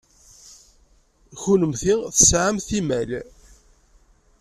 Kennemti tesɛamt imal.